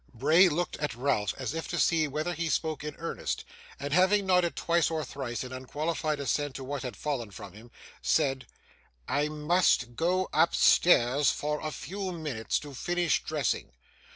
Bray looked at Ralph as if to see whether he spoke in earnest, and having nodded twice or thrice in unqualified assent to what had fallen from him, said: 'I must go upstairs for a few minutes, to finish dressing.